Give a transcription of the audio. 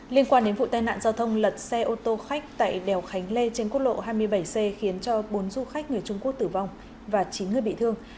liên quan đến vụ tai nạn giao thông lật xe ô tô khách tại đèo khánh lê trên quốc lộ hai mươi bảy c khiến cho bốn du khách người trung quốc tử vong và chín người bị thương